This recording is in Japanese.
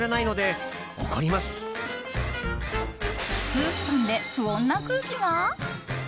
夫婦間で不穏な空気が。